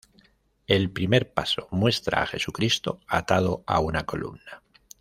El primer paso muestra a Jesucristo atado a una columna.